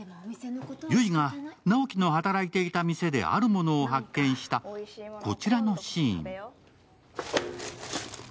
悠依が、直木の働いていた店であるものを発見したこちらのシーン。